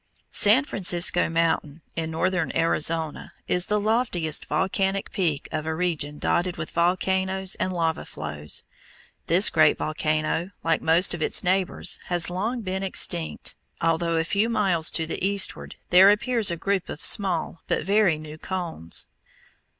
San Francisco Mountain, in northern Arizona, is the loftiest volcanic peak of a region dotted with volcanoes and lava flows. This great volcano, like most of its neighbors, has long been extinct, although a few miles to the eastward there appears a group of small but very new cones.